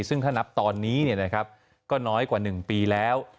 ซึ่งถ้านับตอนนี้ก็น้อยกว่า๑ปีแล้ว